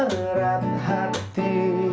meski berat hati